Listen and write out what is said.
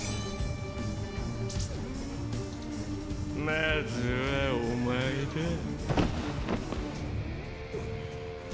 まずはお前だぁ。